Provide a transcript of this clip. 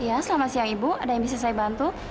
ya selamat siang ibu ada yang bisa saya bantu